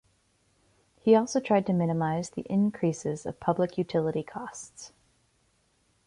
He also tried to minimise the increases of public utility costs.